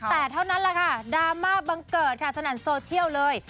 แต่เท่านั้นแหละค่ะดราม่าบังเกิดค่ะสนั่นโซเชียลเลย